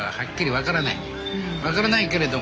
分からないけれどもね。